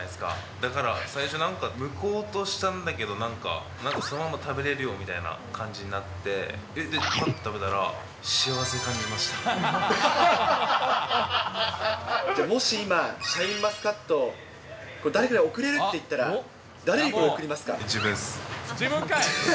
だから、最初なんかむこうとしたんだけど、なんか、そのまま食べれるよみたいな感じになって、で、ぱっと食べたら、幸せ感じまじゃあ、もし今、シャインマスカット、誰かに贈れるっていったら、自分です。